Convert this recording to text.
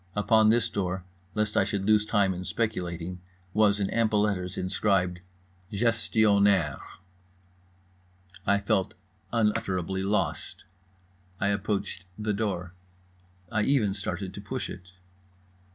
Upon this door, lest I should lose time in speculating, was in ample letters inscribed: GESTIONNAIRE I felt unutterably lost. I approached the door. I even started to push it.